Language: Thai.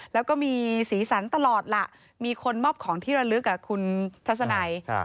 แล้วก็มีสีสันตลอดล่ะมีคนมอบของที่ระลึกคุณทัศนัย